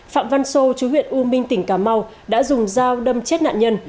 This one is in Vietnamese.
phạm văn sô chú huyện u minh tỉnh cà mau đã dùng dao đâm chết nạn nhân